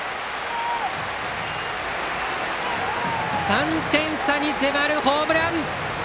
３点差に迫るホームラン！